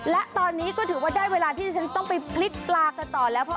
และตอนนี้ก็ถือว่าได้เวลาที่ฉันต้องไปพลิกปลากันต่อแล้ว